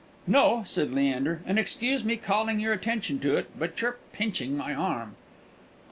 "No," said Leander; "and, excuse me calling of your attention to it, but you're pinching my arm!"